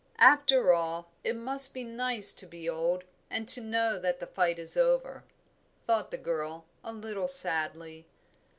"After all, it must be nice to be old, and to know that the fight is over," thought the girl, a little sadly.